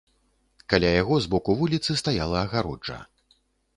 Каля яго з боку вуліцы стаяла агароджа.